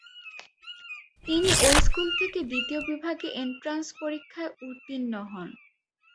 তিনি ঐ স্কুল থেকে দ্বিতীয় বিভাগে এন্ট্রান্স পরীক্ষায় উত্তীর্ণ হন।